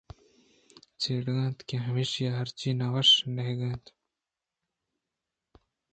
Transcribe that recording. چڑکہ اَت ءُہمیشیءَ ہرچی نہ وش ءُنگیگ اَت